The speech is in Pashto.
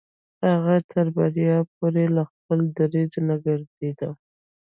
هغه تر بريا پورې له خپل دريځه نه ګرځېده.